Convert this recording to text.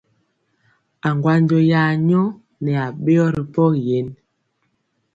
Aŋgwanjɔ ya nyɔ nɛ aɓeyɔ ri pɔgi yen.